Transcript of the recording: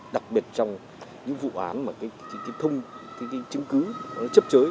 đặc biệt trong những vụ án mà cái chứng cứ nó chấp chới